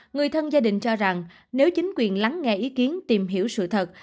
người thân gia đình cho rằng nếu chính quyền lắng nghe ý kiến tìm hiểu sự thật